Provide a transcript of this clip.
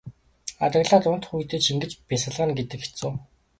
Адаглаад унтах үедээ ч ингэж бясалгана гэдэг хэцүү.